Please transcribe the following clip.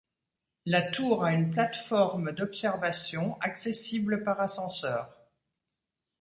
La tour a une plate-forme d'observation accessible par ascenseur.